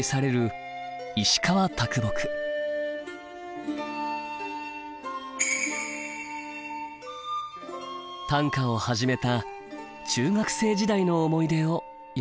短歌を始めた中学生時代の思い出を詠みました。